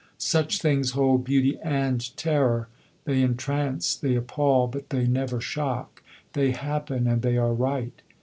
Such things hold beauty and terror; they entrance, they appal; but they never shock. They happen, and they are right.